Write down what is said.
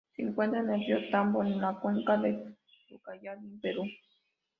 Se encuentra en el río Tambo, en la cuenca del Ucayali, en Perú.